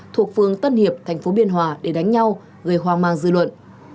thuộc phường tân hiệp thành phố biên hòa để đánh nhau gây hoang mang dư luận